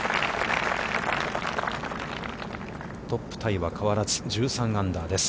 トップタイは変わらず、１３アンダーです。